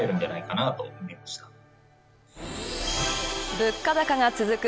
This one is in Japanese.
物価高が続く